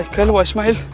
hai keluwa ismail